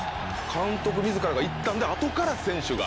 監督自らが行ったんで後から選手が。